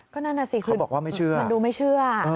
ก็นั่นสิคือมันดูไม่เชื่อเขาบอกว่าไม่เชื่อ